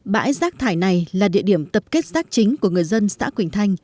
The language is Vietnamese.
bãi rác thải này là địa điểm tập kết rác chính của người dân xã quỳnh thanh